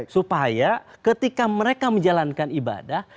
supaya ketika mereka menjalankan ibadah